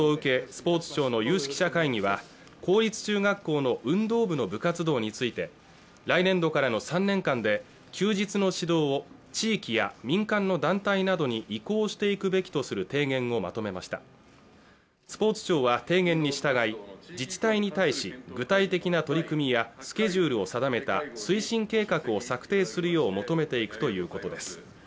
スポーツ庁の有識者会議は公立中学校の運動部の部活動について来年度からの３年間で休日の指導を地域や民間の団体などに移行していくべきとする提言をまとめましたスポーツ庁は提言に従い自治体に対し具体的な取り組みやスケジュールを定めた推進計画を策定するよう求めていくということです